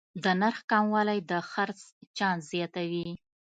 د نرخ کموالی د خرڅ چانس زیاتوي.